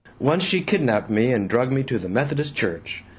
"Once she kidnapped me and drug me to the Methodist Church.